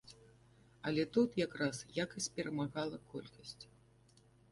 Але тут якраз якасць перамагала колькасць.